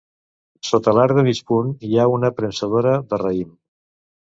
Sota l'arc de mig punt hi ha una premsadora de raïm.